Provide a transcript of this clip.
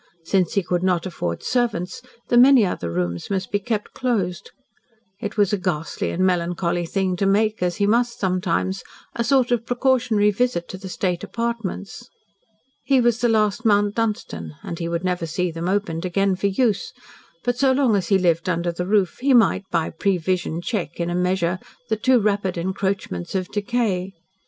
Since he could not afford servants, the many other rooms must be kept closed. It was a ghastly and melancholy thing to make, as he must sometimes, a sort of precautionary visit to the state apartments. He was the last Mount Dunstan, and he would never see them opened again for use, but so long as he lived under the roof he might by prevision check, in a measure, the too rapid encroachments of decay.